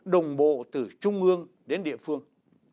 đồng bộ từ trung ương đến địa phương